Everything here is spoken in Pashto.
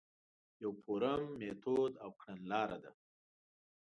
یو فورم، میتود او کڼلاره ده.